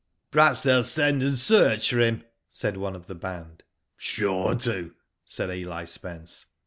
Perhaps they will send and search for him," said one of the band. Sure to," said Eli Spence.